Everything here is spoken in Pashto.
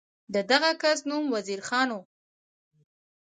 د دغه کس نوم وزیر خان و.